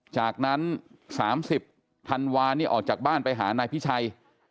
จากนั้น๓๐ธันวานี่ออกจากบ้านไปหานายพิชัย